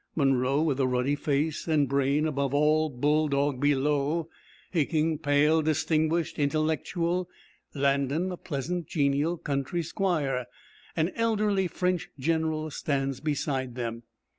Munro with a ruddy face, and brain above all bulldog below; Haking, pale, distinguished, intellectual; Landon a pleasant, genial country squire. An elderly French General stands beside them.